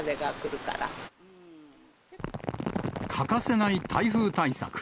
欠かせない台風対策。